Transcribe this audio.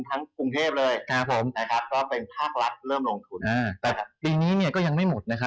แต่ตีนี้เนี่ยก็ยังไม่หมดนะครับ